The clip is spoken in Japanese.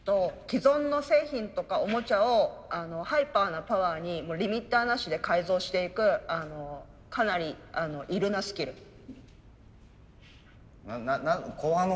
既存の製品とかオモチャをハイパーなパワーにリミッターなしで改造していくかなりな何後半のほうなんつった？